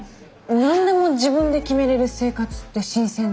何でも自分で決めれる生活って新鮮で。